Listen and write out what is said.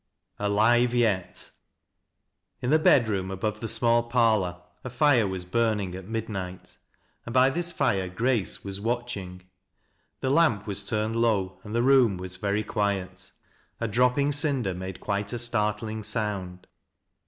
AlilVE TET. I5 the bedroom above the small parlor a fire was bum iitg at midnight, and by this fire Grace was watcning 1 he lamp was turned low and the room was very q^iiet ; a dropping cinder made quite a startling sound.